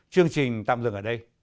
chương trình tạm dừng ở đây